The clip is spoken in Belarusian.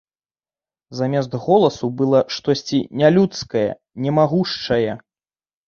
Замест голасу было штосьці нялюдскае, немагушчае.